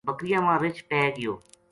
بکریاں ما رچھ پے گیو